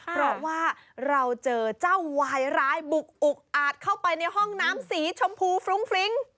เพราะว่าเราเจอเจ้าวายร้ายบุกอุกอาจเข้าไปในห้องน้ำสีชมพูฟรุ้งฟริ้ง